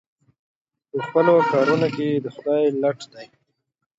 په خپلو کارونو کې د خدای لټ دی.